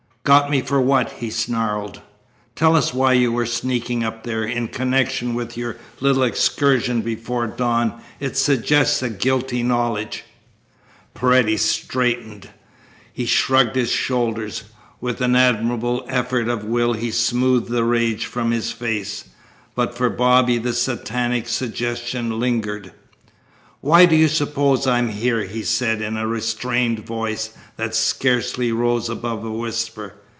"Got me for what?" he snarled. "Tell us why you were sneaking up there. In connection with your little excursion before dawn it suggests a guilty knowledge." Paredes straightened. He shrugged his shoulders. With an admirable effort of the will he smoothed the rage from his face, but for Bobby the satanic suggestion lingered. "Why do you suppose I'm here?" he said in a restrained voice that scarcely rose above a whisper.